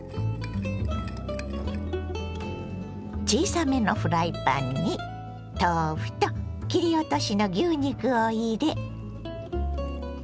小さめのフライパンに豆腐と切り落としの牛肉を入れ。